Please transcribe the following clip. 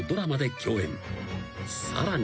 ［さらに］